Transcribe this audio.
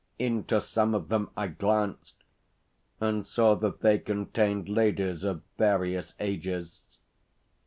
Into some of them I glanced, and saw that they contained ladies of various ages.